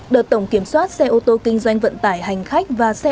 đợt tổng kiểm soát xe ô tô kinh doanh vận tải hành khách và xe ô tô